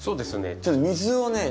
ちょっと水をね